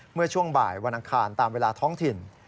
เมื่อช่วงบ่ายวันอังคารตามเวลาท้องถิ่น